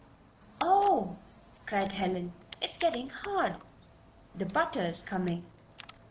"Oh!" cried Helen. "It's getting hard!" "The butter is coming.